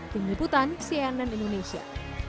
tim liputan cnn indonesia